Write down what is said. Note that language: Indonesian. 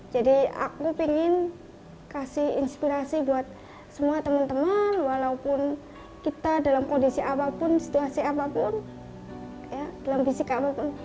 jadi aku pengen kasih inspirasi buat semua teman teman walaupun kita dalam kondisi apapun situasi apapun dalam fisika apapun